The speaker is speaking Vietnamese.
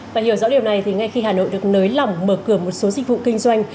và hiểu rõ điều này thì ngay khi hà nội được nới lỏng mở cửa một số dịch vụ kinh doanh